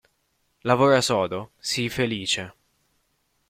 Lavora sodo, sii felice.